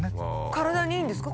体にいいんですか？